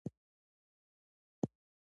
روژه د دوزخ د اور پر وړاندې سپر دی.